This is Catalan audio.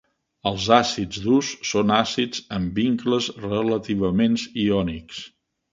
Els àcids durs són àcids amb vincles relativament iònics.